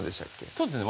そうですね